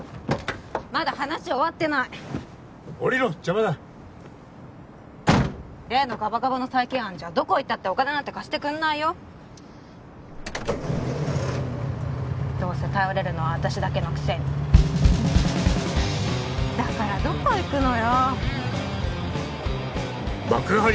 まだ話終わってない降りろ邪魔だ例のガバガバの再建案じゃどこ行ったってお金なんて貸してくんないよどうせ頼れるのは私だけのくせにだからどこ行くのよ幕張